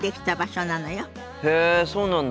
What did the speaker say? へえそうなんだ。